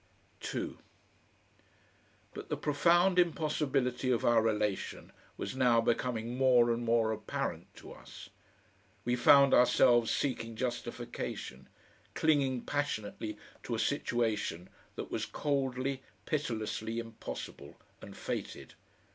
2 But the profound impossibility of our relation was now becoming more and more apparent to us. We found ourselves seeking justification, clinging passionately to a situation that was coldly, pitilessly, impossible and fated.